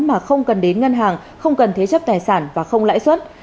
mà không cần đến ngân hàng không cần thế chấp tài sản và không lãi suất